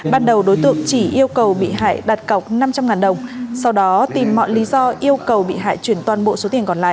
ban đầu đối tượng chỉ yêu cầu bị hại đặt cọc năm trăm linh đồng sau đó tìm mọi lý do yêu cầu bị hại chuyển toàn bộ số tiền còn lại